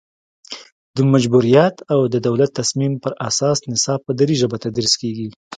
د مجبوریت او د دولت تصمیم پر اساس نصاب په دري ژبه تدریس کیږي